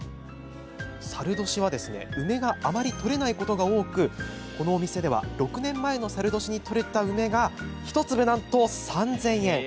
さる年は梅があまり取れないことが多くこのお店では６年前のさる年に取れた梅が１粒なんと３０００円。